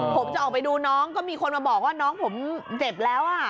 ผมจะออกไปดูน้องก็มีคนมาบอกว่าน้องผมเจ็บแล้ว